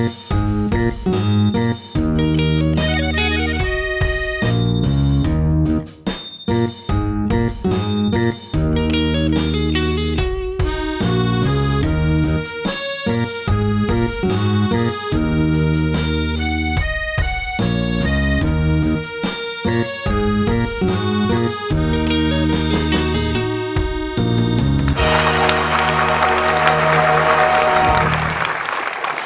สวัสดีค่ะ